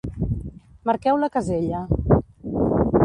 Marqueu la casella